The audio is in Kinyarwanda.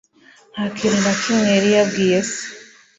Nta kintu na kimwe yari yabwiye se.